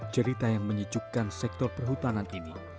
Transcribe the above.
cerita yang menyejukkan sektor perhutanan ini